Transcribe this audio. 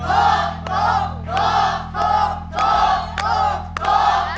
โอ้โอ้โอ้โอ้